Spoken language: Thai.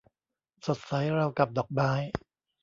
สดใสราวกับดอกไม้